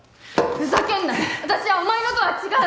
ふざけんな私はお前のとは違う！